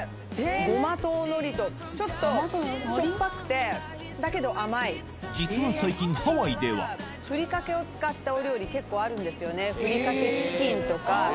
ごまとのりとちょっとしょっぱくてだけど甘い実は最近ハワイではふりかけを使ったお料理結構あるんですよね